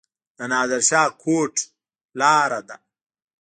د نادر شاه کوټ لاره ده